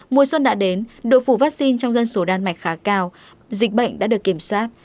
mùa xuân đã đến độ phủ vaccine trong dân số đan mạch khá cao dịch bệnh đã được kiểm soát